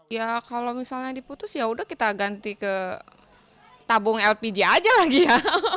ya kalau misalnya diputus yaudah kita ganti ke tabung lpg aja lagi ya